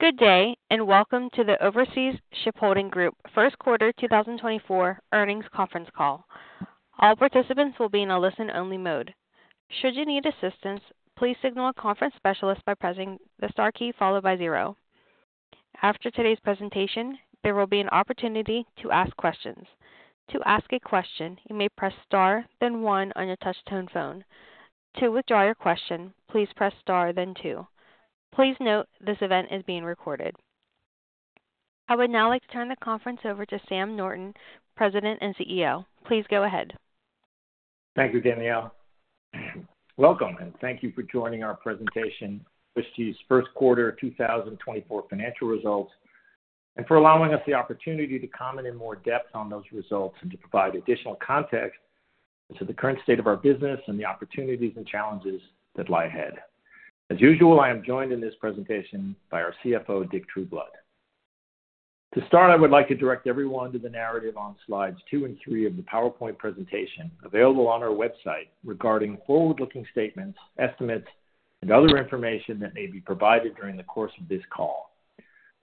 Good day and welcome to the Overseas Shipholding Group First Quarter 2024 Earnings Conference Call. All participants will be in a listen-only mode. Should you need assistance, please signal a conference specialist by pressing the star key followed by 0. After today's presentation, there will be an opportunity to ask questions. To ask a question, you may press star then 1 on your touch-tone phone. To withdraw your question, please press star then 2. Please note this event is being recorded. I would now like to turn the conference over to Sam Norton, President and CEO. Please go ahead. Thank you, Danielle. Welcome, and thank you for joining our presentation on Overseas Shipholding Group's First Quarter 2024 Financial Results and for allowing us the opportunity to comment in more depth on those results and to provide additional context as to the current state of our business and the opportunities and challenges that lie ahead. As usual, I am joined in this presentation by our CFO, Dick Trueblood. To start, I would like to direct everyone to the narrative on slides 2 and 3 of the PowerPoint presentation available on our website regarding forward-looking statements, estimates, and other information that may be provided during the course of this call.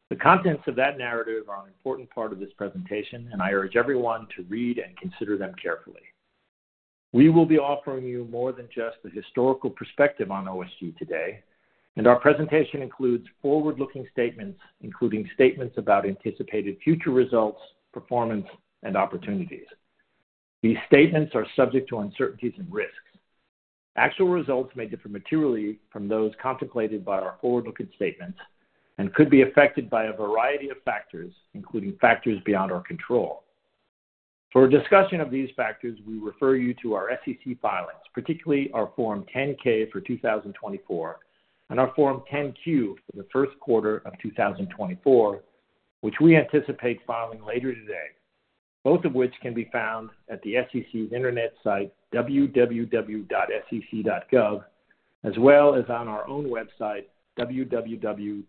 The contents of that narrative are an important part of this presentation, and I urge everyone to read and consider them carefully. We will be offering you more than just the historical perspective on OSG today, and our presentation includes forward-looking statements, including statements about anticipated future results, performance, and opportunities. These statements are subject to uncertainties and risks. Actual results may differ materially from those contemplated by our forward-looking statements and could be affected by a variety of factors, including factors beyond our control. For a discussion of these factors, we refer you to our SEC filings, particularly our Form 10-K for 2024 and our Form 10-Q for the first quarter of 2024, which we anticipate filing later today, both of which can be found at the SEC's internet site www.sec.gov, as well as on our own website www.osg.com.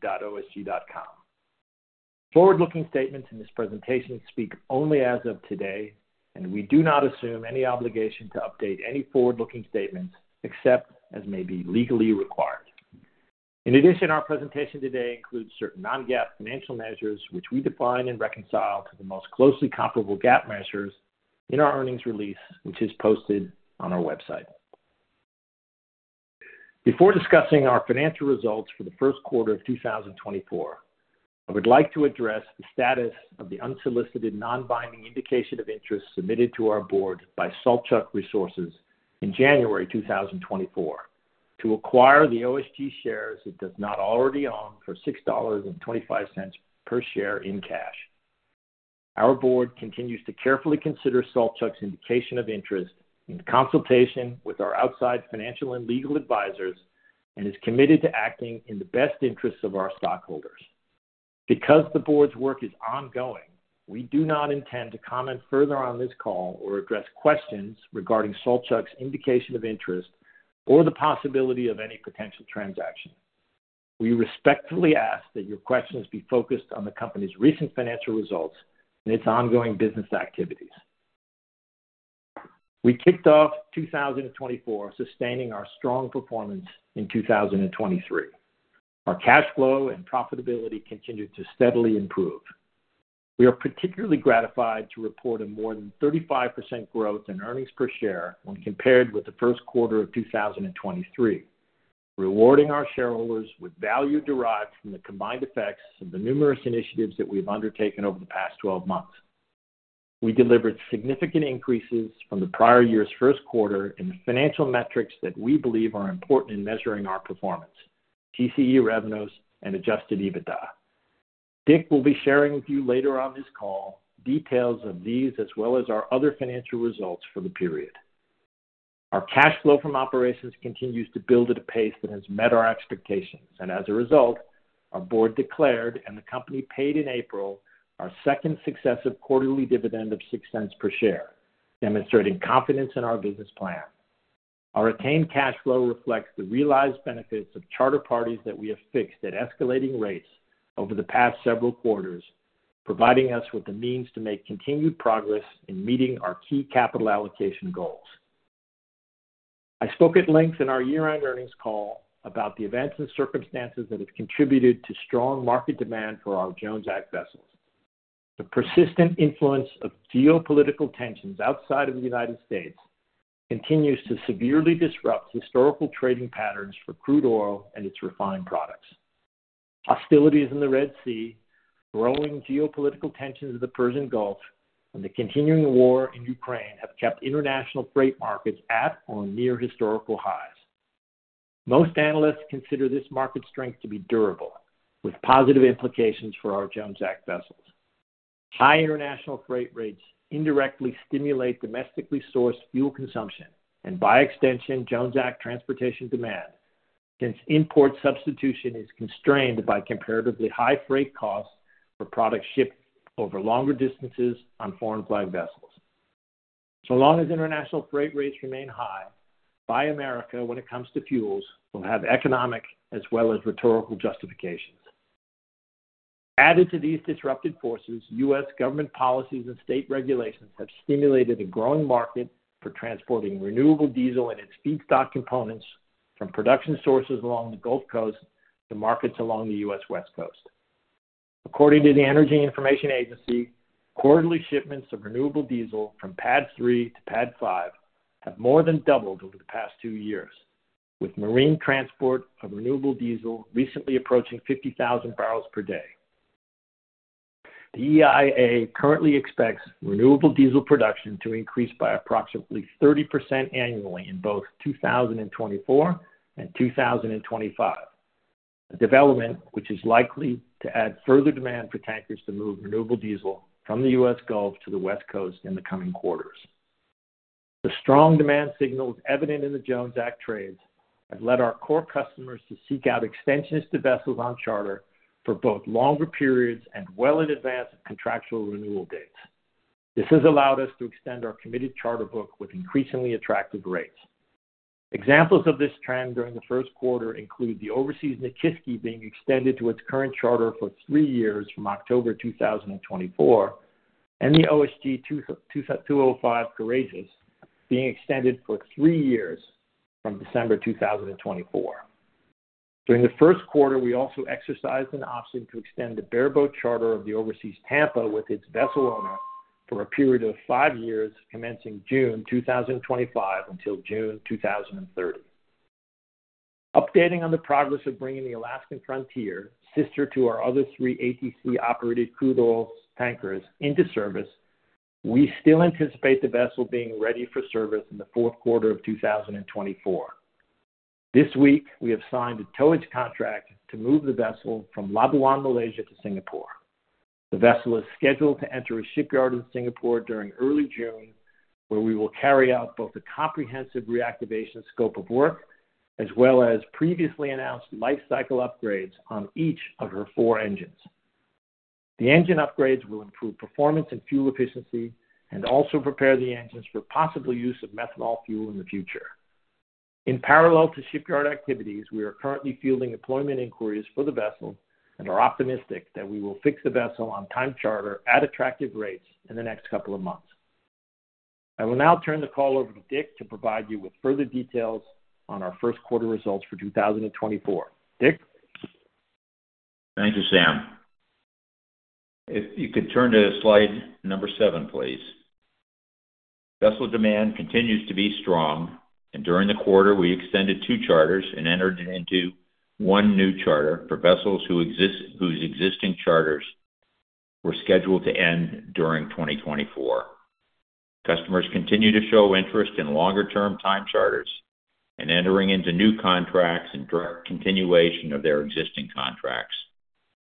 Forward-looking statements in this presentation speak only as of today, and we do not assume any obligation to update any forward-looking statements except as may be legally required. In addition, our presentation today includes certain non-GAAP financial measures, which we define and reconcile to the most closely comparable GAAP measures in our earnings release, which is posted on our website. Before discussing our financial results for the first quarter of 2024, I would like to address the status of the unsolicited non-binding indication of interest submitted to our board by Saltchuk Resources in January 2024 to acquire the OSG shares it does not already own for $6.25 per share in cash. Our board continues to carefully consider Saltchuk's indication of interest in consultation with our outside financial and legal advisors and is committed to acting in the best interests of our stockholders. Because the board's work is ongoing, we do not intend to comment further on this call or address questions regarding Saltchuk's indication of interest or the possibility of any potential transaction. We respectfully ask that your questions be focused on the company's recent financial results and its ongoing business activities. We kicked off 2024 sustaining our strong performance in 2023. Our cash flow and profitability continue to steadily improve. We are particularly gratified to report a more than 35% growth in earnings per share when compared with the first quarter of 2023, rewarding our shareholders with value derived from the combined effects of the numerous initiatives that we have undertaken over the past 12 months. We delivered significant increases from the prior year's first quarter in the financial metrics that we believe are important in measuring our performance: TCE revenues and adjusted EBITDA. Dick will be sharing with you later on this call details of these as well as our other financial results for the period. Our cash flow from operations continues to build at a pace that has met our expectations, and as a result, our board declared and the company paid in April our second successive quarterly dividend of $0.06 per share, demonstrating confidence in our business plan. Our attained cash flow reflects the realized benefits of charter parties that we have fixed at escalating rates over the past several quarters, providing us with the means to make continued progress in meeting our key capital allocation goals. I spoke at length in our year-end earnings call about the events and circumstances that have contributed to strong market demand for our Jones Act vessels. The persistent influence of geopolitical tensions outside of the United States continues to severely disrupt historical trading patterns for crude oil and its refined products. Hostilities in the Red Sea, growing geopolitical tensions in the Persian Gulf, and the continuing war in Ukraine have kept international freight markets at or near historical highs. Most analysts consider this market strength to be durable, with positive implications for our Jones Act vessels. High international freight rates indirectly stimulate domestically sourced fuel consumption and, by extension, Jones Act transportation demand since import substitution is constrained by comparatively high freight costs for products shipped over longer distances on foreign-flagged vessels. So long as international freight rates remain high, Buy America, when it comes to fuels, will have economic as well as rhetorical justifications. Added to these disrupted forces, U.S. government policies and state regulations have stimulated a growing market for transporting renewable diesel and its feedstock components from production sources along the Gulf Coast to markets along the U.S. West Coast. According to the U.S. Energy Information Administration, quarterly shipments of renewable diesel from PADD 3 to PADD 5 have more than doubled over the past two years, with marine transport of renewable diesel recently approaching 50,000 barrels per day. The EIA currently expects renewable diesel production to increase by approximately 30% annually in both 2024 and 2025, a development which is likely to add further demand for tankers to move renewable diesel from the U.S. Gulf to the West Coast in the coming quarters. The strong demand signals evident in the Jones Act trades have led our core customers to seek out extensions for vessels on charter for both longer periods and well in advance of contractual renewal dates. This has allowed us to extend our committed charter book with increasingly attractive rates. Examples of this trend during the first quarter include the Overseas Nakiski being extended to its current charter for three years from October 2024 and the OSG 205 Courageous being extended for three years from December 2024. During the first quarter, we also exercised an option to extend the bareboat charter of the Overseas Tampa with its vessel owner for a period of five years, commencing June 2025 until June 2030. Updating on the progress of bringing the Alaskan Frontier, sister to our other three ATC-operated crude oil tankers, into service, we still anticipate the vessel being ready for service in the fourth quarter of 2024. This week, we have signed a towage contract to move the vessel from Labuan, Malaysia, to Singapore. The vessel is scheduled to enter a shipyard in Singapore during early June, where we will carry out both a comprehensive reactivation scope of work as well as previously announced lifecycle upgrades on each of her four engines. The engine upgrades will improve performance and fuel efficiency and also prepare the engines for possible use of methanol fuel in the future. In parallel to shipyard activities, we are currently fielding employment inquiries for the vessel and are optimistic that we will fix the vessel on-time charter at attractive rates in the next couple of months. I will now turn the call over to Dick to provide you with further details on our first quarter results for 2024. Dick? Thank you, Sam. If you could turn to slide number 7, please. Vessel demand continues to be strong, and during the quarter, we extended two charters and entered into one new charter for vessels whose existing charters were scheduled to end during 2024. Customers continue to show interest in longer-term time charters and entering into new contracts and direct continuation of their existing contracts,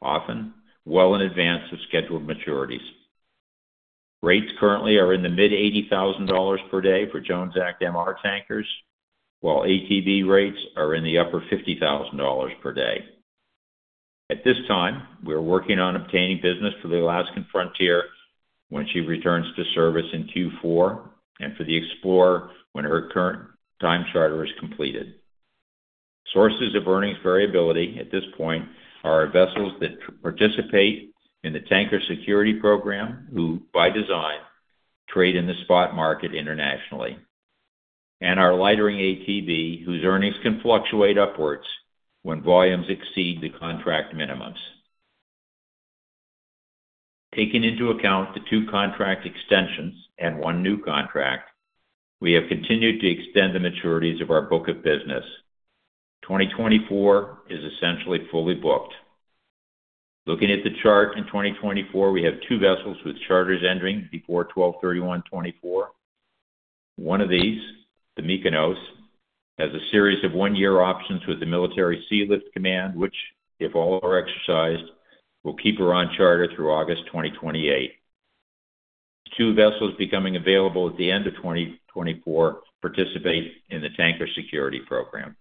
often well in advance of scheduled maturities. Rates currently are in the mid-$80,000 per day for Jones Act MR tankers, while ATB rates are in the upper $50,000 per day. At this time, we are working on obtaining business for the Alaskan Frontier when she returns to service in Q4 and for the Explorer when her current time charter is completed. Sources of earnings variability at this point are our vessels that participate in the Tanker Security Program, who, by design, trade in the spot market internationally, and our lightering ATB, whose earnings can fluctuate upwards when volumes exceed the contract minimums. Taking into account the two contract extensions and one new contract, we have continued to extend the maturities of our book of business. 2024 is essentially fully booked. Looking at the chart in 2024, we have two vessels with charters entering before 12/31/2024. One of these, the Mykonos, has a series of one-year options with the Military Sealift Command, which, if all are exercised, will keep her on charter through August 2028. The two vessels becoming available at the end of 2024 participate in the Tanker Security Program.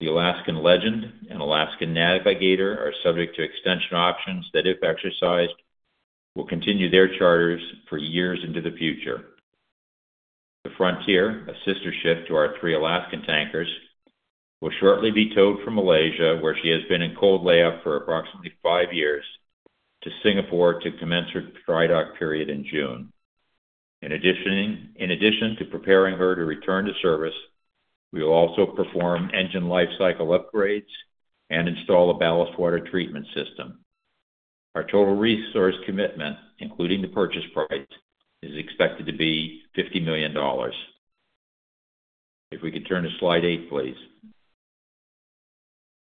The Alaskan Legend and Alaskan Navigator are subject to extension options that, if exercised, will continue their charters for years into the future. The Frontier, a sister ship to our three Alaskan tankers, will shortly be towed from Malaysia, where she has been in cold lay-up for approximately five years, to Singapore to commence her drydock period in June. In addition to preparing her to return to service, we will also perform engine lifecycle upgrades and install a ballast water treatment system. Our total resource commitment, including the purchase price, is expected to be $50 million. If we could turn to slide 8, please.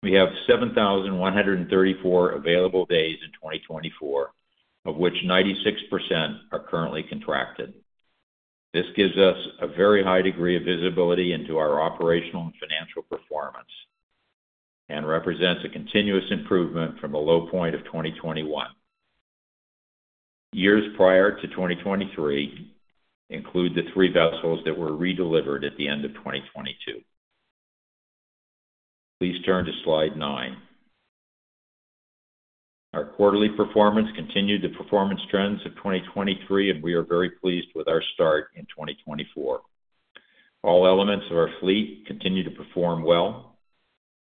We have 7,134 available days in 2024, of which 96% are currently contracted. This gives us a very high degree of visibility into our operational and financial performance and represents a continuous improvement from a low point of 2021. Years prior to 2023 include the three vessels that were redelivered at the end of 2022. Please turn to slide 9. Our quarterly performance continued the performance trends of 2023, and we are very pleased with our start in 2024. All elements of our fleet continue to perform well.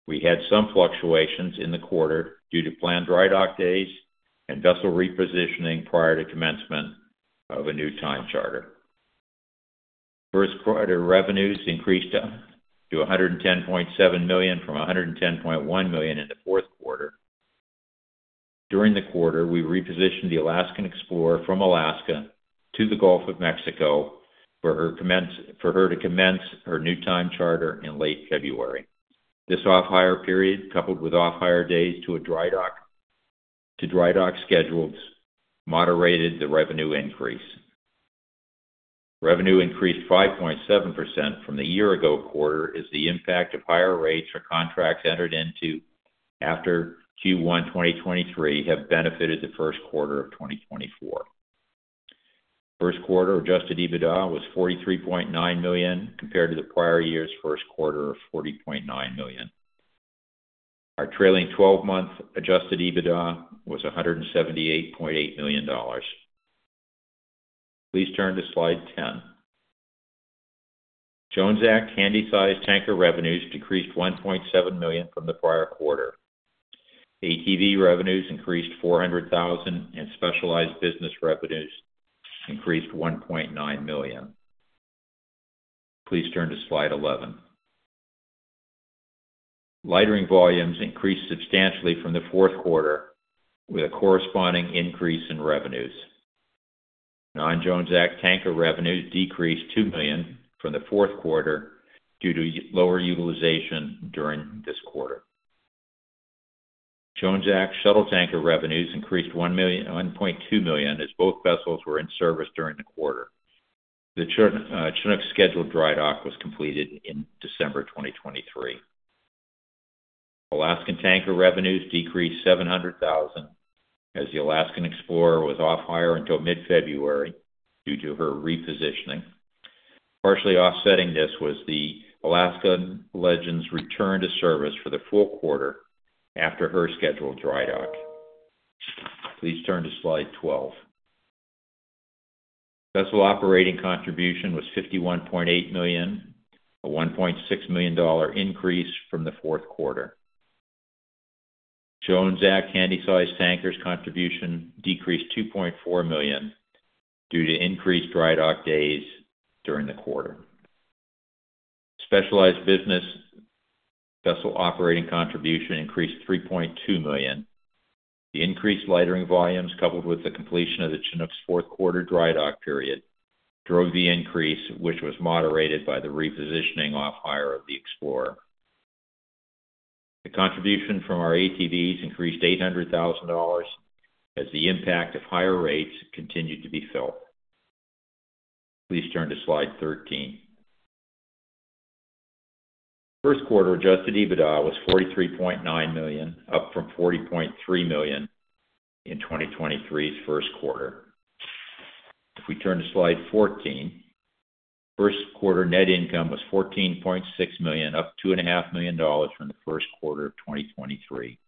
We had some fluctuations in the quarter due to planned drydock days and vessel repositioning prior to commencement of a new time charter. First quarter revenues increased to $110.7 million from $110.1 million in the fourth quarter. During the quarter, we repositioned the Alaskan Explorer from Alaska to the Gulf of Mexico for her to commence her new time charter in late February. This off-hire period, coupled with off-hire days to drydock schedules, moderated the revenue increase. Revenue increased 5.7% from the year-ago quarter is the impact of higher rates for contracts entered into after Q1 2023 have benefited the first quarter of 2024. First quarter adjusted EBITDA was $43.9 million compared to the prior year's first quarter of $40.9 million. Our trailing 12-month adjusted EBITDA was $178.8 million. Please turn to slide 10. Jones Act handysize tanker revenues decreased $1.7 million from the prior quarter. ATB revenues increased $400,000, and specialized business revenues increased $1.9 million. Please turn to slide 11. Lightering volumes increased substantially from the fourth quarter with a corresponding increase in revenues. Non-Jones Act tanker revenues decreased $2 million from the fourth quarter due to lower utilization during this quarter. Jones Act shuttle tanker revenues increased $1.2 million as both vessels were in service during the quarter. The Chinook scheduled drydock was completed in December 2023. Alaskan Tanker revenues decreased $700,000 as the Alaskan Explorer was off-hire until mid-February due to her repositioning. Partially offsetting this was the Alaskan Legend's return to service for the full quarter after her scheduled drydock. Please turn to slide 12. Vessel operating contribution was $51.8 million, a $1.6 million increase from the fourth quarter. Jones Act handysize tankers contribution decreased $2.4 million due to increased drydock days during the quarter. Specialized business vessel operating contribution increased $3.2 million. The increased lightering volumes, coupled with the completion of the Chinook's fourth quarter drydock period, drove the increase, which was moderated by the repositioning off-hire of the Explorer. The contribution from our ATBs increased $800,000 as the impact of higher rates continued to be felt. Please turn to slide 13. First quarter adjusted EBITDA was $43.9 million, up from $40.3 million in 2023's first quarter. If we turn to slide 14, first quarter net income was $14.6 million, up $2.5 million from the first quarter of 2023.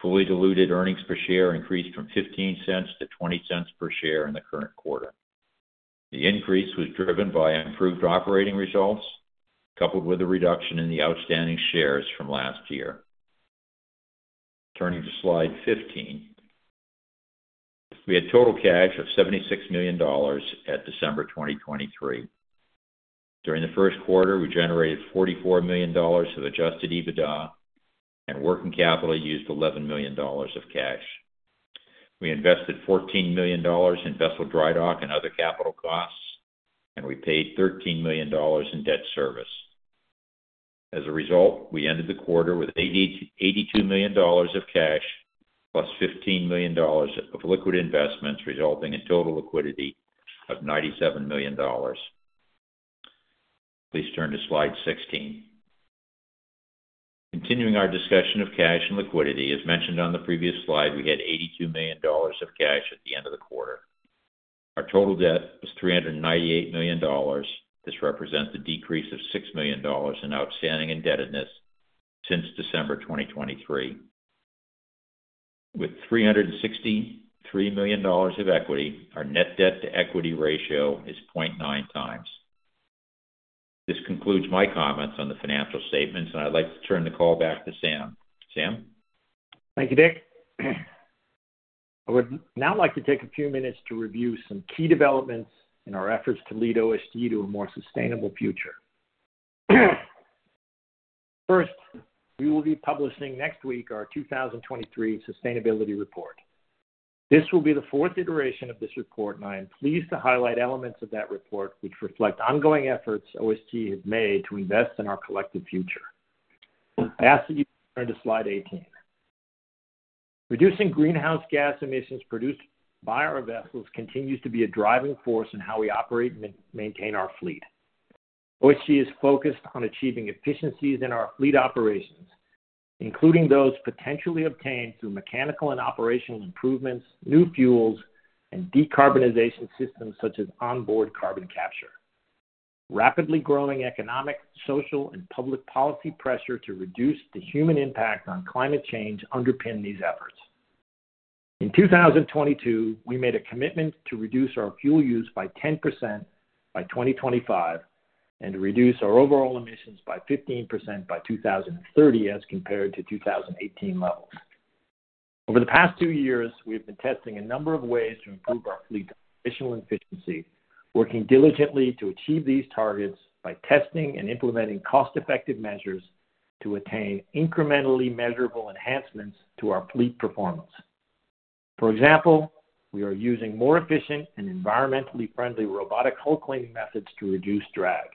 Fully diluted earnings per share increased from $0.15 to $0.20 per share in the current quarter. The increase was driven by improved operating results, coupled with a reduction in the outstanding shares from last year. Turning to slide 15, we had total cash of $76 million at December 2023. During the first quarter, we generated $44 million of adjusted EBITDA, and working capital used $11 million of cash. We invested $14 million in vessel drydock and other capital costs, and we paid $13 million in debt service. As a result, we ended the quarter with $82 million of cash plus $15 million of liquid investments, resulting in total liquidity of $97 million. Please turn to slide 16. Continuing our discussion of cash and liquidity, as mentioned on the previous slide, we had $82 million of cash at the end of the quarter. Our total debt was $398 million. This represents a decrease of $6 million in outstanding indebtedness since December 2023. With $363 million of equity, our net debt-to-equity ratio is 0.9 times. This concludes my comments on the financial statements, and I'd like to turn the call back to Sam. Sam? Thank you, Dick. I would now like to take a few minutes to review some key developments in our efforts to lead OSG to a more sustainable future. First, we will be publishing next week our 2023 sustainability report. This will be the fourth iteration of this report, and I am pleased to highlight elements of that report which reflect ongoing efforts OSG has made to invest in our collective future. I ask that you turn to slide 18. Reducing greenhouse gas emissions produced by our vessels continues to be a driving force in how we operate and maintain our fleet. OSG is focused on achieving efficiencies in our fleet operations, including those potentially obtained through mechanical and operational improvements, new fuels, and decarbonization systems such as onboard carbon capture. Rapidly growing economic, social, and public policy pressure to reduce the human impact on climate change underpin these efforts. In 2022, we made a commitment to reduce our fuel use by 10% by 2025 and to reduce our overall emissions by 15% by 2030 as compared to 2018 levels. Over the past two years, we have been testing a number of ways to improve our fleet's emission efficiency, working diligently to achieve these targets by testing and implementing cost-effective measures to attain incrementally measurable enhancements to our fleet performance. For example, we are using more efficient and environmentally friendly robotic hull cleaning methods to reduce drag.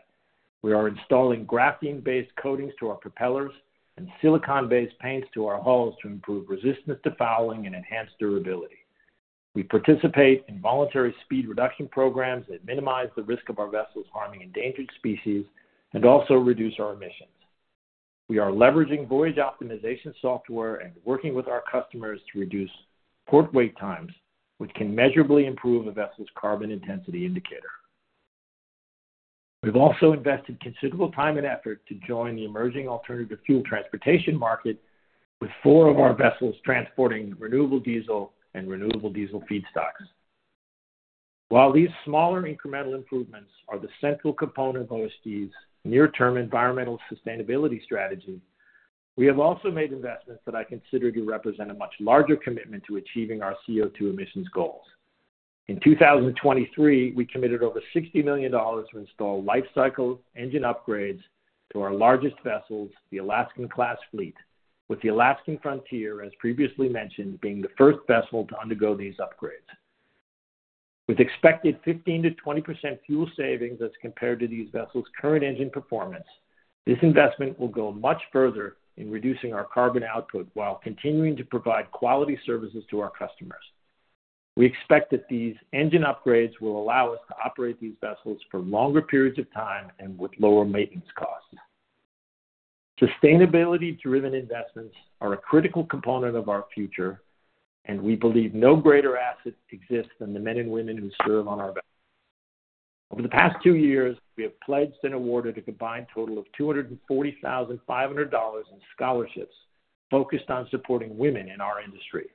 We are installing graphene-based coatings to our propellers and silicone-based paints to our hulls to improve resistance to fouling and enhance durability. We participate in voluntary speed reduction programs that minimize the risk of our vessels harming endangered species and also reduce our emissions. We are leveraging voyage optimization software and working with our customers to reduce port wait times, which can measurably improve a vessel's carbon intensity indicator. We've also invested considerable time and effort to join the emerging alternative fuel transportation market with four of our vessels transporting renewable diesel and renewable diesel feedstocks. While these smaller incremental improvements are the central component of OSG's near-term environmental sustainability strategy, we have also made investments that I consider to represent a much larger commitment to achieving our CO2 emissions goals. In 2023, we committed over $60 million to install lifecycle engine upgrades to our largest vessels, the Alaskan-class fleet, with the Alaskan Frontier, as previously mentioned, being the first vessel to undergo these upgrades. With expected 15%-20% fuel savings as compared to these vessels' current engine performance, this investment will go much further in reducing our carbon output while continuing to provide quality services to our customers. We expect that these engine upgrades will allow us to operate these vessels for longer periods of time and with lower maintenance costs. Sustainability-driven investments are a critical component of our future, and we believe no greater asset exists than the men and women who serve on our vessels. Over the past two years, we have pledged and awarded a combined total of $240,500 in scholarships focused on supporting women in our industry.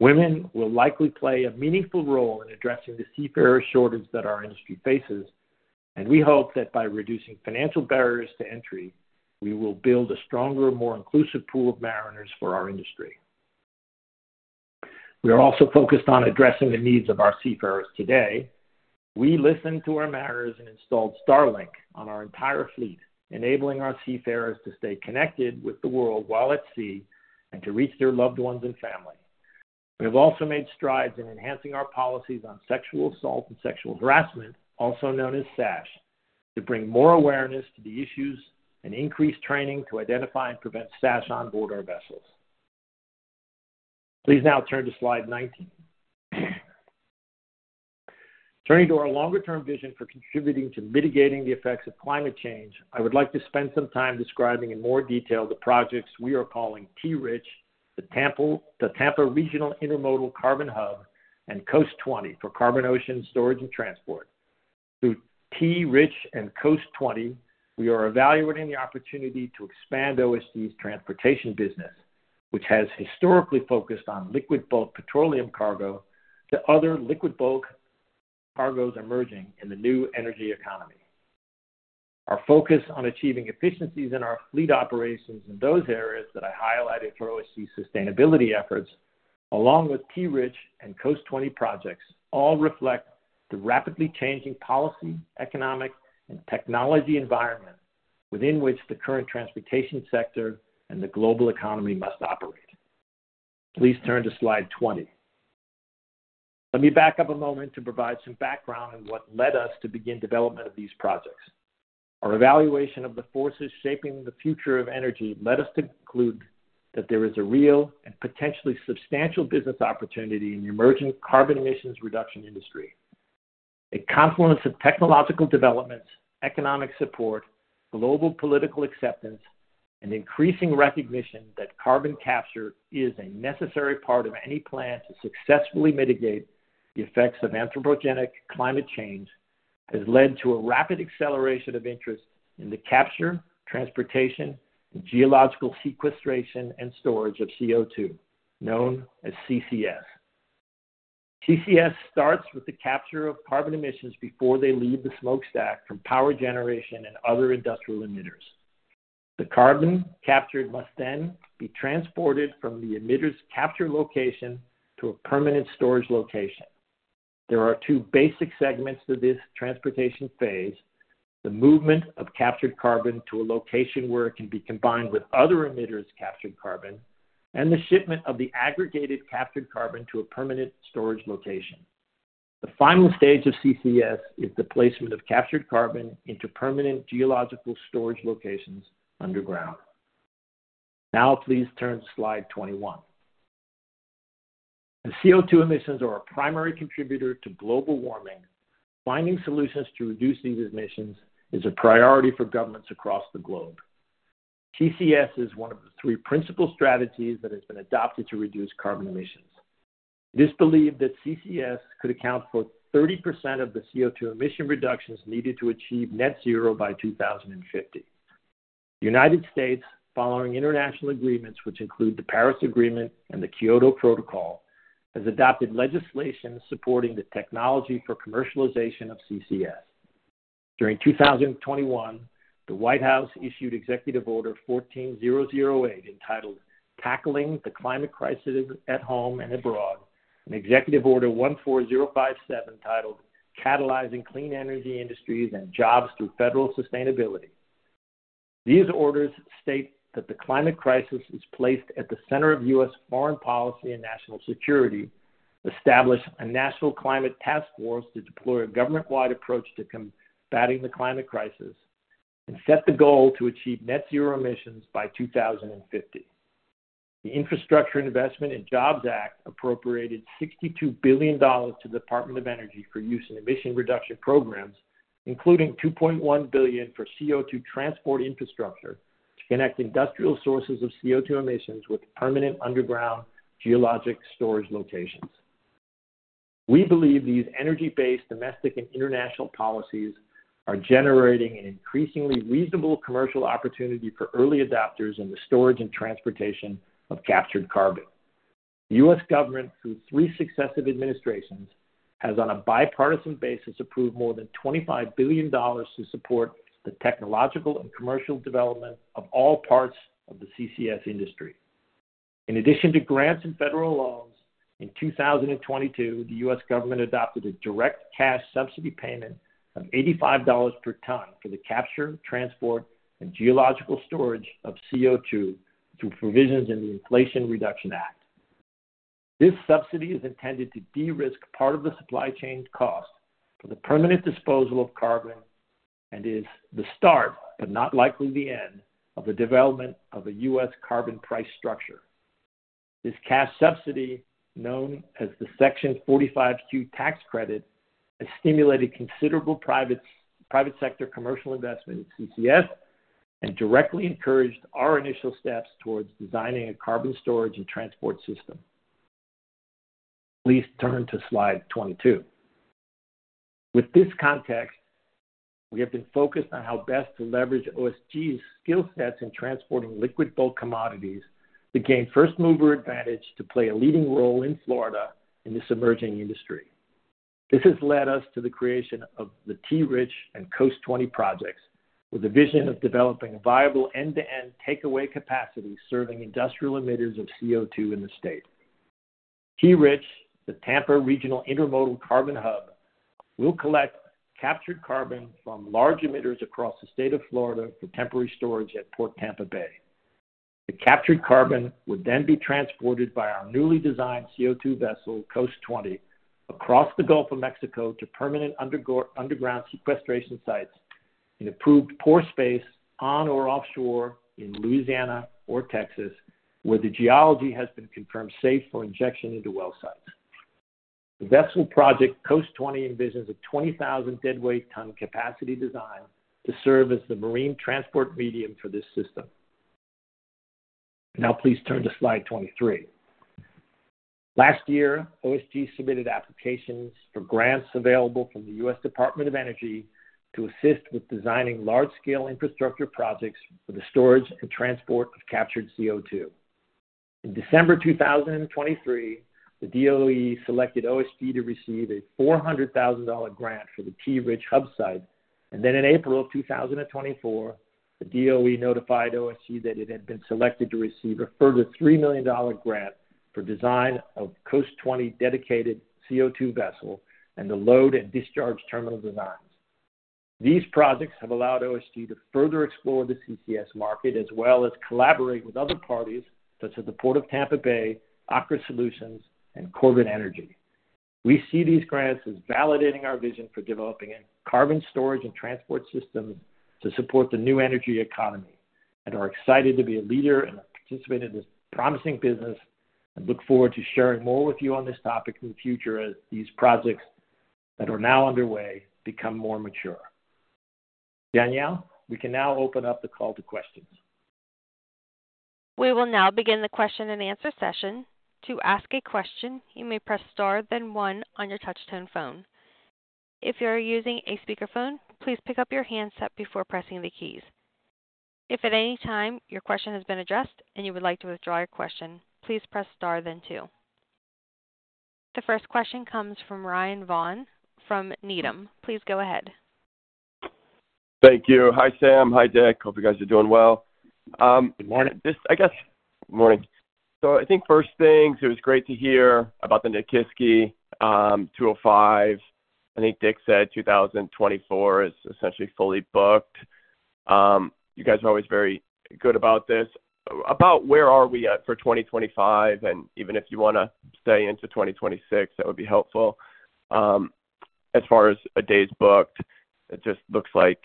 Women will likely play a meaningful role in addressing the seafarer shortage that our industry faces, and we hope that by reducing financial barriers to entry, we will build a stronger, more inclusive pool of mariners for our industry. We are also focused on addressing the needs of our seafarers today. We listened to our mariners and installed Starlink on our entire fleet, enabling our seafarers to stay connected with the world while at sea and to reach their loved ones and family. We have also made strides in enhancing our policies on sexual assault and sexual harassment, also known as SASH, to bring more awareness to the issues and increase training to identify and prevent SASH onboard our vessels. Please now turn to slide 19. Turning to our longer-term vision for contributing to mitigating the effects of climate change, I would like to spend some time describing in more detail the projects we are calling T-RICH, the Tampa Regional Intermodal Carbon Hub, and Coast 20 for carbon ocean storage and transport. Through T-RICH and Coast 20, we are evaluating the opportunity to expand OSG's transportation business, which has historically focused on liquid bulk petroleum cargo to other liquid bulk cargoes emerging in the new energy economy. Our focus on achieving efficiencies in our fleet operations in those areas that I highlighted for OSG's sustainability efforts, along with T-RICH and Coast 20 projects, all reflect the rapidly changing policy, economic, and technology environment within which the current transportation sector and the global economy must operate. Please turn to slide 20. Let me back up a moment to provide some background on what led us to begin development of these projects. Our evaluation of the forces shaping the future of energy led us to conclude that there is a real and potentially substantial business opportunity in the emerging carbon emissions reduction industry. A confluence of technological developments, economic support, global political acceptance, and increasing recognition that carbon capture is a necessary part of any plan to successfully mitigate the effects of anthropogenic climate change has led to a rapid acceleration of interest in the capture, transportation, geological sequestration, and storage of CO2, known as CCS. CCS starts with the capture of carbon emissions before they leave the smokestack from power generation and other industrial emitters. The carbon captured must then be transported from the emitter's capture location to a permanent storage location. There are two basic segments to this transportation phase: the movement of captured carbon to a location where it can be combined with other emitter's captured carbon, and the shipment of the aggregated captured carbon to a permanent storage location. The final stage of CCS is the placement of captured carbon into permanent geological storage locations underground. Now, please turn to slide 21. As CO2 emissions are a primary contributor to global warming, finding solutions to reduce these emissions is a priority for governments across the globe. CCS is one of the three principal strategies that has been adopted to reduce carbon emissions. It is believed that CCS could account for 30% of the CO2 emission reductions needed to achieve net zero by 2050. The United States, following international agreements which include the Paris Agreement and the Kyoto Protocol, has adopted legislation supporting the technology for commercialization of CCS. During 2021, the White House issued Executive Order 14008 entitled "Tackling the Climate Crisis at Home and Abroad," and Executive Order 14057 titled "Catalyzing Clean Energy Industries and Jobs Through Federal Sustainability." These orders state that the climate crisis is placed at the center of U.S. foreign policy and national security, establish a national climate task force to deploy a government-wide approach to combating the climate crisis, and set the goal to achieve net zero emissions by 2050. The Infrastructure Investment and Jobs Act appropriated $62 billion to the Department of Energy for use in emission reduction programs, including $2.1 billion for CO2 transport infrastructure to connect industrial sources of CO2 emissions with permanent underground geologic storage locations. We believe these energy-based domestic and international policies are generating an increasingly reasonable commercial opportunity for early adopters in the storage and transportation of captured carbon. The U.S. government, through three successive administrations, has on a bipartisan basis approved more than $25 billion to support the technological and commercial development of all parts of the CCS industry. In addition to grants and federal loans, in 2022, the U.S. government adopted a direct cash subsidy payment of $85 per ton for the capture, transport, and geological storage of CO2 through provisions in the Inflation Reduction Act. This subsidy is intended to de-risk part of the supply chain cost for the permanent disposal of carbon and is the start but not likely the end of the development of a U.S. carbon price structure. This cash subsidy, known as the Section 45Q tax credit, has stimulated considerable private sector commercial investment in CCS and directly encouraged our initial steps towards designing a carbon storage and transport system. Please turn to slide 22. With this context, we have been focused on how best to leverage OSG's skill sets in transporting liquid bulk commodities to gain first-mover advantage to play a leading role in Florida in this emerging industry. This has led us to the creation of the T-RICH and Coast 20 projects with a vision of developing a viable end-to-end takeaway capacity serving industrial emitters of CO2 in the state. T-RICH, the Tampa Regional Intermodal Carbon Hub, will collect captured carbon from large emitters across the state of Florida for temporary storage at Port Tampa Bay. The captured carbon would then be transported by our newly designed CO2 vessel, Coast 20, across the Gulf of Mexico to permanent underground sequestration sites in approved pore space on or offshore in Louisiana or Texas, where the geology has been confirmed safe for injection into well sites. The vessel project, Coast 20, envisions a 20,000 deadweight ton capacity design to serve as the marine transport medium for this system. Now, please turn to slide 23. Last year, OSG submitted applications for grants available from the U.S. Department of Energy to assist with designing large-scale infrastructure projects for the storage and transport of captured CO2. In December 2023, the DOE selected OSG to receive a $400,000 grant for the T-RICH hub site, and then in April of 2024, the DOE notified OSG that it had been selected to receive a further $3 million grant for design of Coast 20 dedicated CO2 vessel and the load and discharge terminal designs. These projects have allowed OSG to further explore the CCS market as well as collaborate with other parties such as the Port Tampa Bay, Aqua Solutions, and Corban Energy. We see these grants as validating our vision for developing carbon storage and transport systems to support the new energy economy and are excited to be a leader in participating in this promising business and look forward to sharing more with you on this topic in the future as these projects that are now underway become more mature. Danielle, we can now open up the call to questions. We will now begin the question and answer session. To ask a question, you may press star then 1 on your touchscreen phone. If you are using a speakerphone, please pick up your handset before pressing the keys. If at any time your question has been addressed and you would like to withdraw your question, please press star then 2. The first question comes from Ryan Vaughan from Needham. Please go ahead. Thank you. Hi, Sam. Hi, Dick. Hope you guys are doing well. Good morning. I guess good morning. So I think first things, it was great to hear about the Nakiski 205. I think Dick said 2024 is essentially fully booked. You guys are always very good about this. About where are we at for 2025, and even if you want to stay into 2026, that would be helpful. As far as a day's booked, it just looks like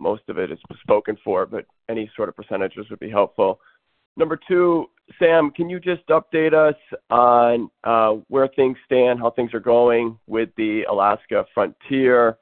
most of it is spoken for, but any sort of percentages would be helpful. Number two, Sam, can you just update us on where things stand, how things are going with the Alaskan Frontier?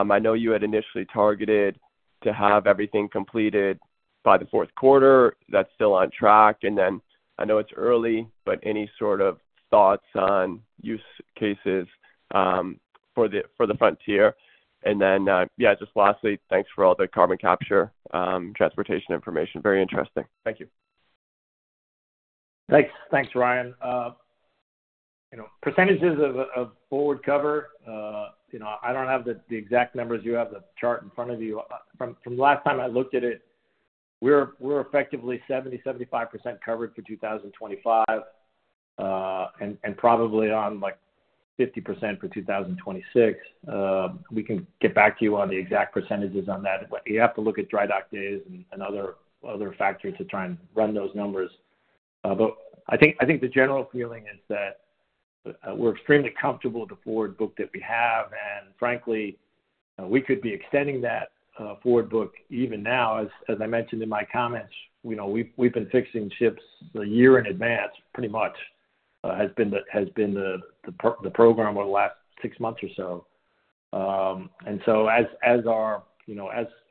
I know you had initially targeted to have everything completed by the fourth quarter. That's still on track. And then I know it's early, but any sort of thoughts on use cases for the Frontier? And then, yeah, just lastly, thanks for all the carbon capture transportation information. Very interesting. Thank you. Thanks. Thanks, Ryan. Percentages of forward cover, I don't have the exact numbers. You have the chart in front of you. From the last time I looked at it, we're effectively 70%-75% covered for 2025 and probably on 50% for 2026. We can get back to you on the exact percentages on that. You have to look at dry dock days and other factors to try and run those numbers. But I think the general feeling is that we're extremely comfortable with the forward book that we have, and frankly, we could be extending that forward book even now. As I mentioned in my comments, we've been fixing ships a year in advance, pretty much, has been the program over the last six months or so.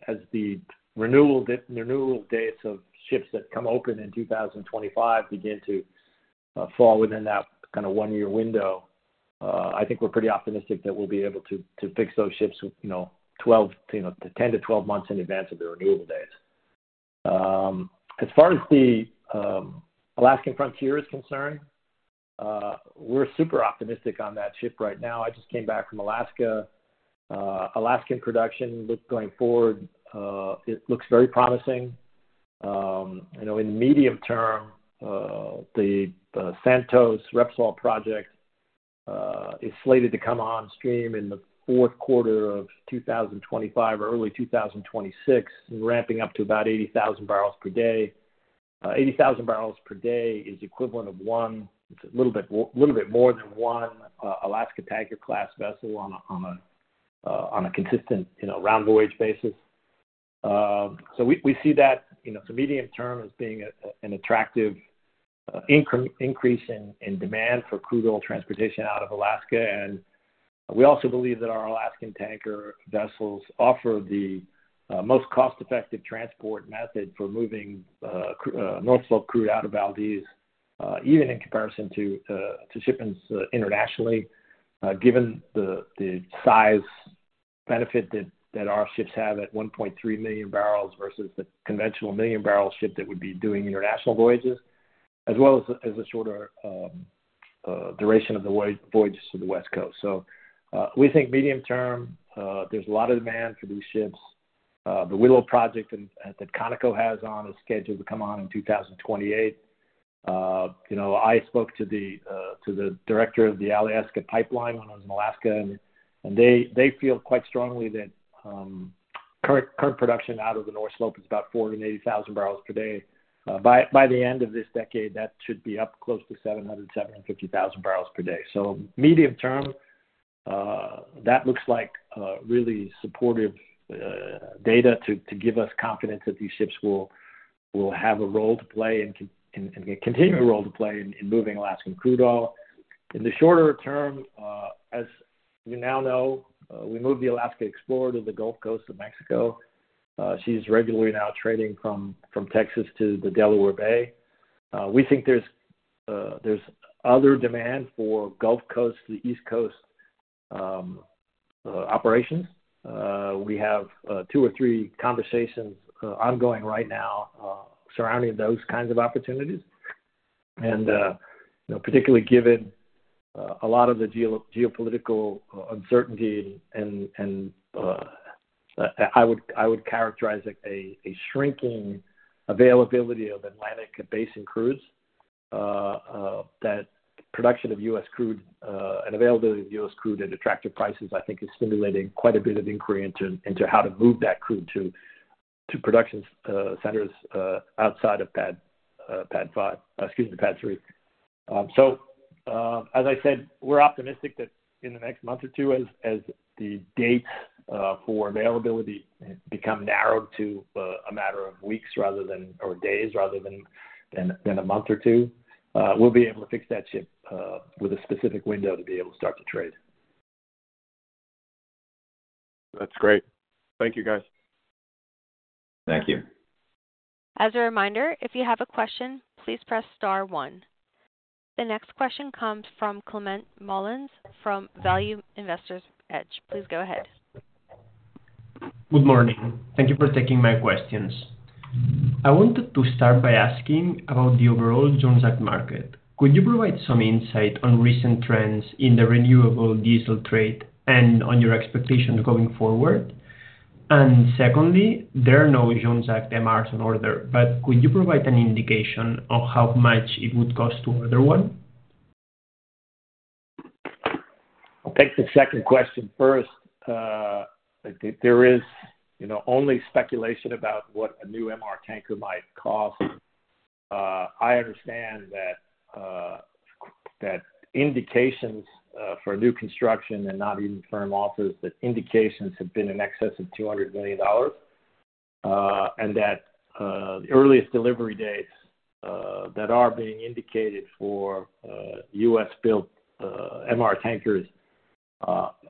As the renewal dates of ships that come open in 2025 begin to fall within that kind of one-year window, I think we're pretty optimistic that we'll be able to fix those ships 10-12 months in advance of the renewal dates. As far as the Alaskan Frontier is concerned, we're super optimistic on that ship right now. I just came back from Alaska. Alaskan production going forward, it looks very promising. In the medium term, the Santos Repsol project is slated to come on stream in the fourth quarter of 2025 or early 2026, ramping up to about 80,000 barrels per day. 80,000 barrels per day is equivalent of one, it's a little bit more than one Alaskan-class vessel on a consistent round voyage basis. So we see that for medium term as being an attractive increase in demand for crude oil transportation out of Alaska. And we also believe that our Alaskan tanker vessels offer the most cost-effective transport method for moving North Slope crude out of Valdez, even in comparison to shipments internationally, given the size benefit that our ships have at 1.3 million barrels versus the conventional 1-million-barrel ship that would be doing international voyages, as well as the shorter duration of the voyage to the West Coast. So we think medium term, there's a lot of demand for these ships. The Willow project that Conoco has on is scheduled to come on in 2028. I spoke to the director of the Alaska Pipeline when I was in Alaska, and they feel quite strongly that current production out of the North Slope is about 480,000 barrels per day. By the end of this decade, that should be up close to 700,000-750,000 barrels per day. So medium term, that looks like really supportive data to give us confidence that these ships will have a role to play and continue a role to play in moving Alaskan crude oil. In the shorter term, as you now know, we moved the Alaskan Explorer to the Gulf of Mexico. She's regularly now trading from Texas to the Delaware Bay. We think there's other demand for Gulf Coast to East Coast operations. We have two or three conversations ongoing right now surrounding those kinds of opportunities, and particularly given a lot of the geopolitical uncertainty, and I would characterize it as a shrinking availability of Atlantic Basin crudes. That production of U.S. crude and availability of U.S. crude at attractive prices, I think, is stimulating quite a bit of inquiry into how to move that crude to production centers outside of PADD 5, excuse me, PADD 3. So as I said, we're optimistic that in the next month or two, as the dates for availability become narrowed to a matter of weeks or days rather than a month or two, we'll be able to fix that ship with a specific window to be able to start to trade. That's great. Thank you, guys. Thank you. As a reminder, if you have a question, please press star 1. The next question comes from Climent Molins from Value Investor's Edge. Please go ahead. Good morning. Thank you for taking my questions. I wanted to start by asking about the overall Jones Act market. Could you provide some insight on recent trends in the renewable diesel trade and on your expectations going forward? And secondly, there are no Jones Act MRs on order, but could you provide an indication on how much it would cost to order one? Thanks for the second question. First, there is only speculation about what a new MR tanker might cost. I understand that indications for new construction and not even firm offices, that indications have been in excess of $200 million and that the earliest delivery dates that are being indicated for U.S. built MR tankers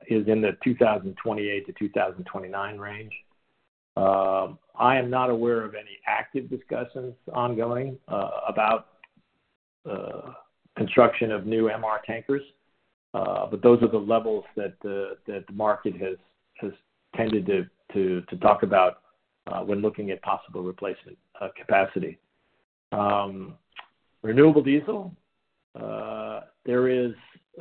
is in the 2028 to 2029 range. I am not aware of any active discussions ongoing about construction of new MR tankers, but those are the levels that the market has tended to talk about when looking at possible replacement capacity. Renewable diesel, there is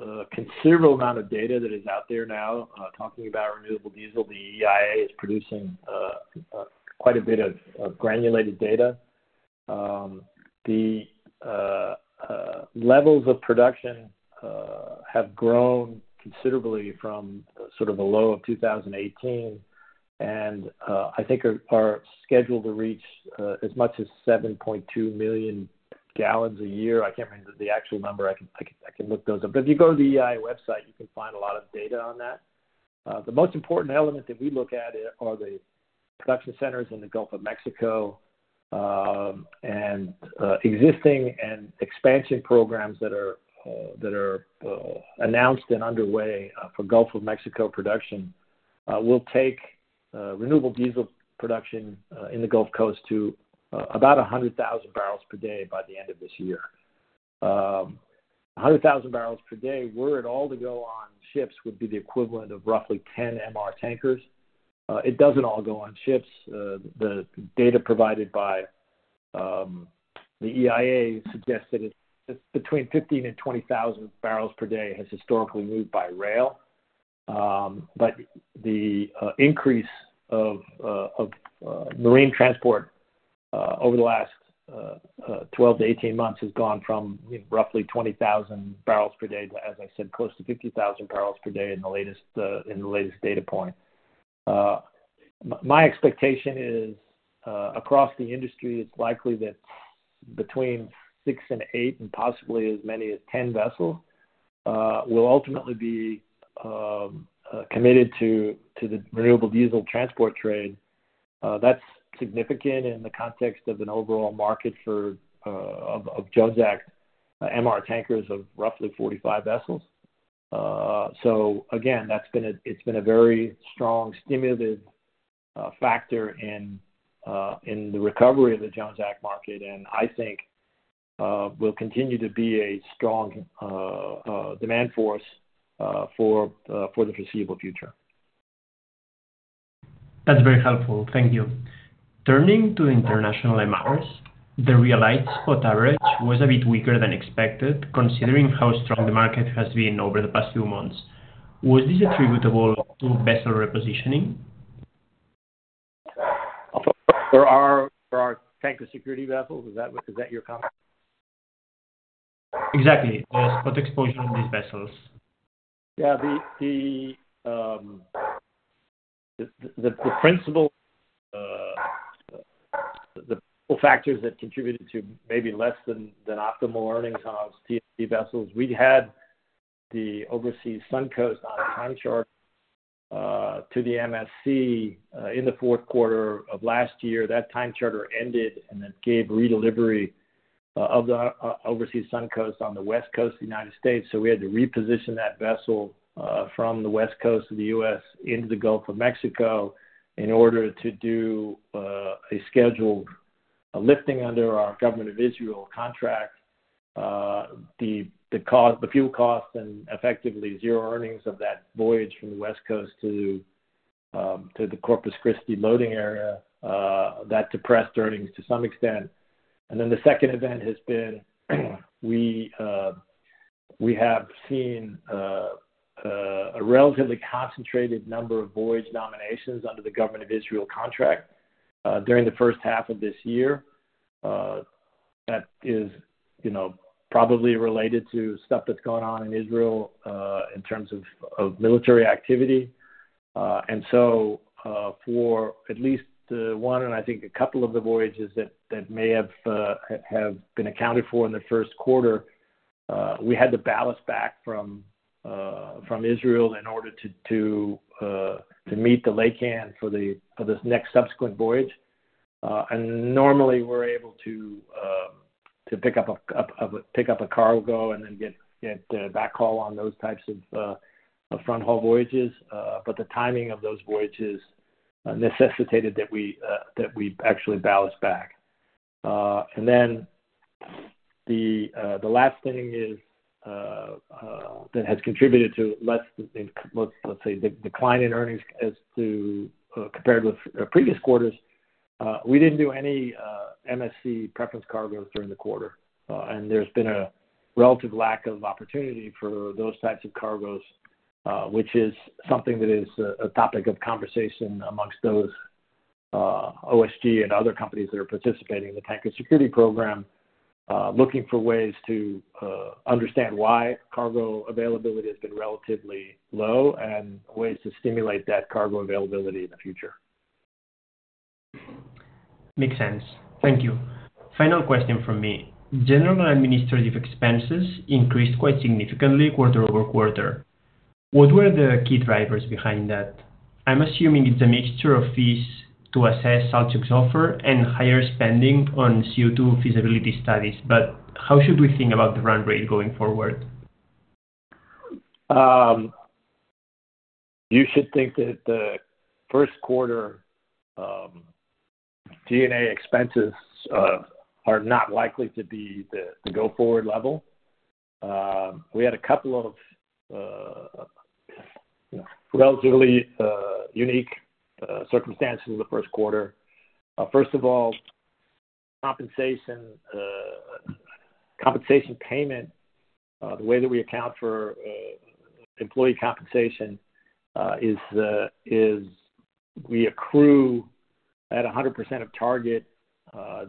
a considerable amount of data that is out there now talking about renewable diesel. The EIA is producing quite a bit of granulated data. The levels of production have grown considerably from sort of the low of 2018 and I think are scheduled to reach as much as 7.2 million gallons a year. I can't remember the actual number. I can look those up. But if you go to the EIA website, you can find a lot of data on that. The most important element that we look at are the production centers in the Gulf of Mexico and existing expansion programs that are announced and underway for Gulf of Mexico production. We'll take renewable diesel production in the Gulf Coast to about 100,000 barrels per day by the end of this year. 100,000 barrels per day, where it all to go on ships would be the equivalent of roughly 10 MR tankers. It doesn't all go on ships. The data provided by the EIA suggests that it's between 15,000 and 20,000 barrels per day has historically moved by rail. But the increase of marine transport over the last 12-18 months has gone from roughly 20,000 barrels per day to, as I said, close to 50,000 barrels per day in the latest data point. My expectation is across the industry, it's likely that between six and eight and possibly as many as 10 vessels will ultimately be committed to the renewable diesel transport trade. That's significant in the context of an overall market of Jones Act MR tankers of roughly 45 vessels. So again, it's been a very strong stimulative factor in the recovery of the Jones Act market, and I think will continue to be a strong demand force for the foreseeable future. That's very helpful. Thank you. Turning to international MRs, the realized spot average was a bit weaker than expected considering how strong the market has been over the past few months. Was this attributable to vessel repositioning? For our tanker security vessels, is that your comment? Exactly. The spot exposure on these vessels. Yeah. The principal factors that contributed to maybe less than optimal earnings on our TSP vessels, we had the Overseas Suncoast on time charter to the MSC in the fourth quarter of last year. That time charter ended, and that gave redelivery of the Overseas Suncoast on the West Coast of the United States. We had to reposition that vessel from the West Coast of the U.S. into the Gulf of Mexico in order to do a scheduled lifting under our Government of Israel contract, the fuel costs, and effectively zero earnings of that voyage from the West Coast to the Corpus Christi loading area. That depressed earnings to some extent. Then the second event has been we have seen a relatively concentrated number of voyage nominations under the Government of Israel contract during the first half of this year. That is probably related to stuff that's going on in Israel in terms of military activity. So for at least one and I think a couple of the voyages that may have been accounted for in the first quarter, we had to ballast back from Israel in order to meet the laycan for this next subsequent voyage. Normally, we're able to pick up a cargo and then get backhaul on those types of front-haul voyages. But the timing of those voyages necessitated that we actually ballast back. And then the last thing that has contributed to less, let's say, decline in earnings compared with previous quarters, we didn't do any MSC preference cargoes during the quarter. And there's been a relative lack of opportunity for those types of cargoes, which is something that is a topic of conversation amongst those OSG and other companies that are participating in the Tanker Security Program looking for ways to understand why cargo availability has been relatively low and ways to stimulate that cargo availability in the future. Makes sense. Thank you. Final question from me. General administrative expenses increased quite significantly quarter-over-quarter. What were the key drivers behind that? I'm assuming it's a mixture of fees to assess Saltchuk's offer and higher spending on CO2 feasibility studies, but how should we think about the run rate going forward? You should think that the first quarter G&A expenses are not likely to be the go-forward level. We had a couple of relatively unique circumstances in the first quarter. First of all, compensation payment, the way that we account for employee compensation is we accrue at 100% of target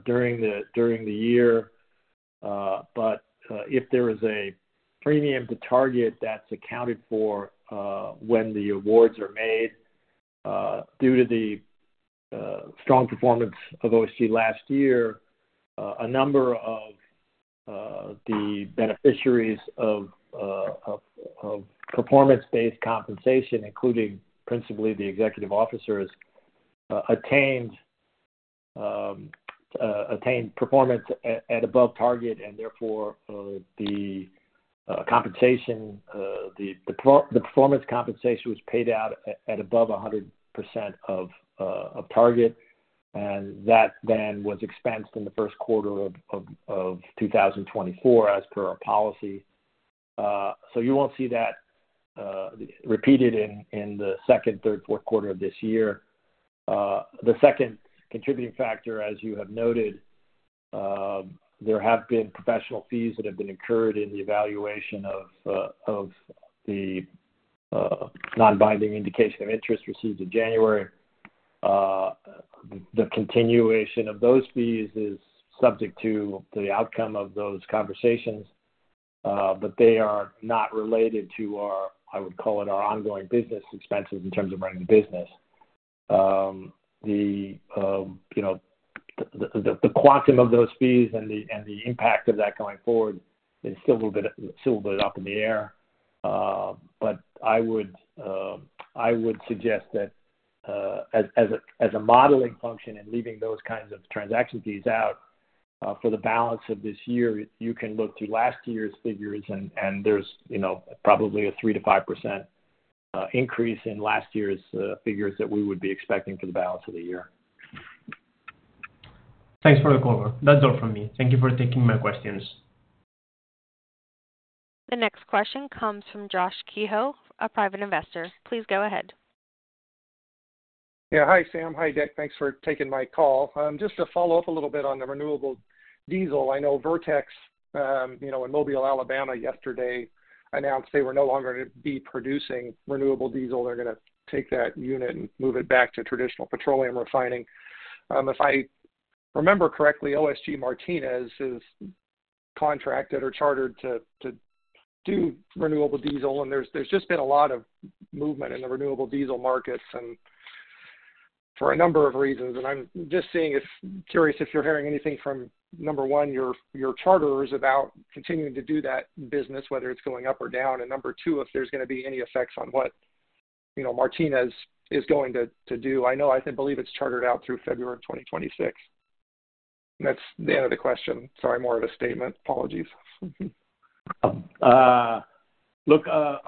during the year. But if there is a premium to target that's accounted for when the awards are made, due to the strong performance of OSG last year, a number of the beneficiaries of performance-based compensation, including principally the executive officers, attained performance at above target, and therefore the performance compensation was paid out at above 100% of target. That then was expensed in the first quarter of 2024 as per our policy. You won't see that repeated in the second, third, fourth quarter of this year. The second contributing factor, as you have noted, there have been professional fees that have been incurred in the evaluation of the non-binding indication of interest received in January. The continuation of those fees is subject to the outcome of those conversations, but they are not related to our, I would call it, our ongoing business expenses in terms of running the business. The quantum of those fees and the impact of that going forward is still a little bit up in the air. But I would suggest that as a modeling function and leaving those kinds of transaction fees out for the balance of this year, you can look through last year's figures, and there's probably a 3%-5% increase in last year's figures that we would be expecting for the balance of the year. Thanks for the call, Sam. That's all from me. Thank you for taking my questions. The next question comes from Josh Kehoe, a private investor. Please go ahead. Yeah. Hi, Sam. Hi, Dick. Thanks for taking my call. Just to follow up a little bit on the renewable diesel, I know Vertex and Mobile, Alabama yesterday announced they were no longer going to be producing renewable diesel. They're going to take that unit and move it back to traditional petroleum refining. If I remember correctly, OSG Martinez is contracted or chartered to do renewable diesel, and there's just been a lot of movement in the renewable diesel markets for a number of reasons. I'm just curious if you're hearing anything from, number one, your charters about continuing to do that business, whether it's going up or down, and number two, if there's going to be any effects on what Martinez is going to do. I believe it's chartered out through February of 2026. That's the end of the question. Sorry, more of a statement. Apologies. Look, our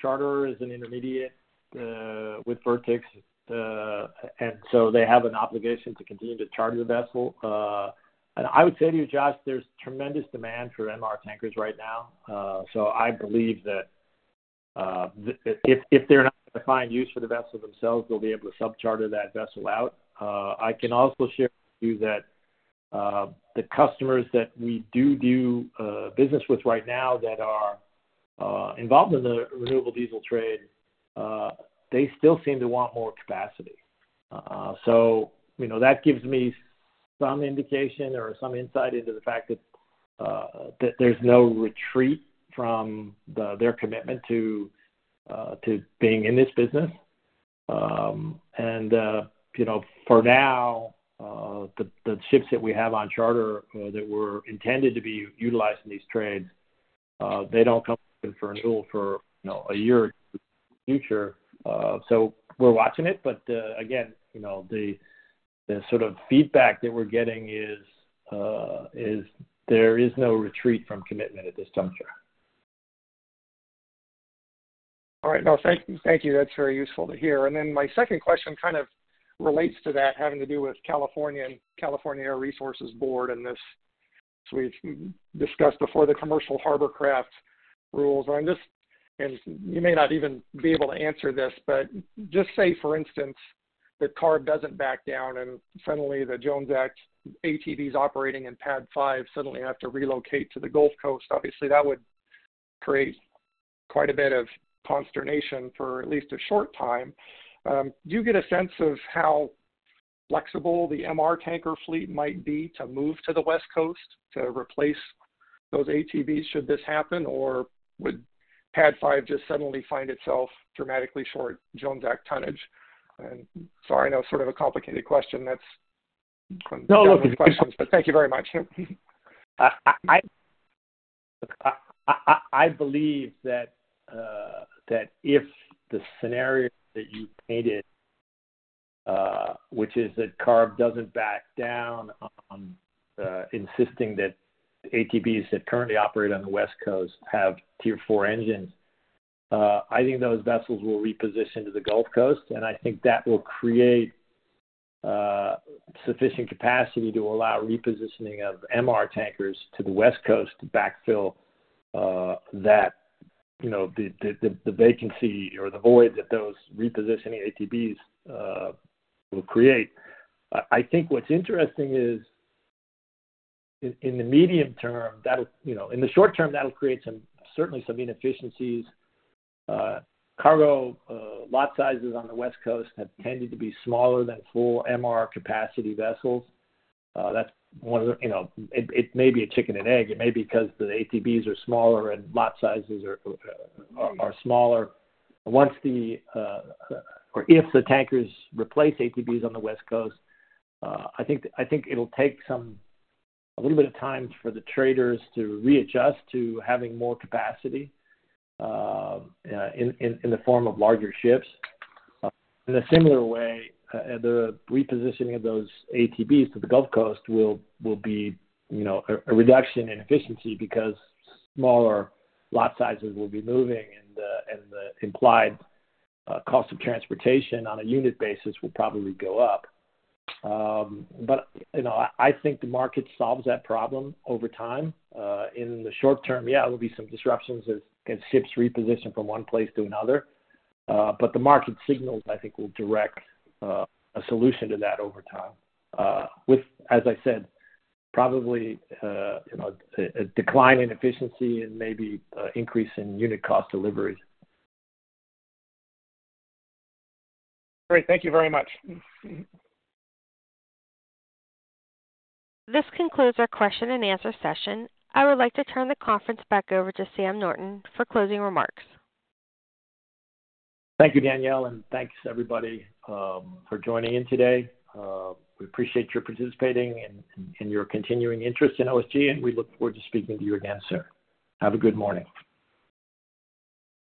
charter is an intermediate with Vertex, and so they have an obligation to continue to charter the vessel. I would say to you, Josh, there's tremendous demand for MR tankers right now. So I believe that if they're not going to find use for the vessel themselves, they'll be able to subcharter that vessel out. I can also share with you that the customers that we do do business with right now that are involved in the renewable diesel trade, they still seem to want more capacity. So that gives me some indication or some insight into the fact that there's no retreat from their commitment to being in this business. And for now, the ships that we have on charter that were intended to be utilized in these trades, they don't come in for renewal for a year or two in the future. So we're watching it. But again, the sort of feedback that we're getting is there is no retreat from commitment at this juncture. All right. No, thank you. Thank you. That's very useful to hear. And then my second question kind of relates to that having to do with California Air Resources Board and this. We've discussed before the commercial harbor craft rules. And you may not even be able to answer this, but just say, for instance, that CARB doesn't back down and suddenly the Jones Act ATBs operating in PADD 5 suddenly have to relocate to the Gulf Coast. Obviously, that would create quite a bit of consternation for at least a short time. Do you get a sense of how flexible the MR tanker fleet might be to move to the West Coast to replace those ATBs should this happen, or would PADD 5 just suddenly find itself dramatically short Jones Act tonnage? And sorry, I know it's sort of a complicated question. That's one of the general questions, but thank you very much. I believe that if the scenario that you painted, which is that CARB doesn't back down on insisting that ATBs that currently operate on the West Coast have Tier 4 engines, I think those vessels will reposition to the Gulf Coast. And I think that will create sufficient capacity to allow repositioning of MR tankers to the West Coast to backfill the vacancy or the void that those repositioning ATBs will create. I think what's interesting is in the medium term, in the short term, that'll create certainly some inefficiencies. Cargo lot sizes on the West Coast have tended to be smaller than full MR capacity vessels. That's one of the it may be a chicken and egg. It may be because the ATBs are smaller and lot sizes are smaller. Once or if the tankers replace ATBs on the West Coast, I think it'll take a little bit of time for the traders to readjust to having more capacity in the form of larger ships. In a similar way, the repositioning of those ATBs to the Gulf Coast will be a reduction in efficiency because smaller lot sizes will be moving, and the implied cost of transportation on a unit basis will probably go up. But I think the market solves that problem over time. In the short term, yeah, there'll be some disruptions as ships reposition from one place to another. But the market signals, I think, will direct a solution to that over time with, as I said, probably a decline in efficiency and maybe increase in unit cost deliveries. All right. Thank you very much. This concludes our question and answer session. I would like to turn the conference back over to Sam Norton for closing remarks. Thank you, Danielle. Thanks, everybody, for joining in today. We appreciate your participating and your continuing interest in OSG, and we look forward to speaking to you again soon. Have a good morning.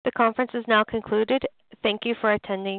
The conference is now concluded. Thank you for attending.